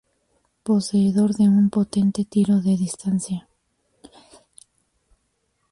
Poseedor de un potente tiro de distancia.